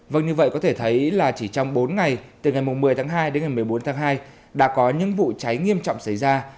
vâng như vậy có thể thấy là chỉ trong bốn ngày từ ngày một mươi tháng hai đến ngày một mươi bốn tháng hai đã có những vụ cháy nghiêm trọng xảy ra